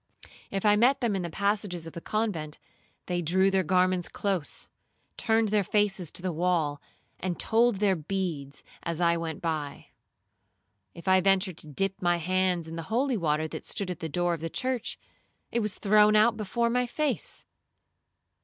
If I met them in the passages of the convent, they drew their garments close, turned their faces to the wall, and told their beads as I went by. If I ventured to dip my hands in the holy water that stood at the door of the church, it was thrown out before my face.